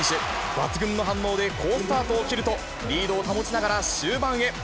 抜群の反応で、好スタートを切ると、リードを保ちながら終盤へ。